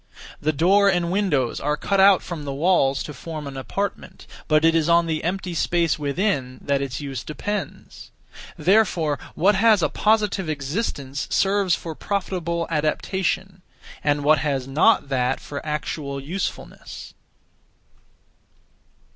The door and windows are cut out (from the walls) to form an apartment; but it is on the empty space (within), that its use depends. Therefore, what has a (positive) existence serves for profitable adaptation, and what has not that for (actual) usefulness.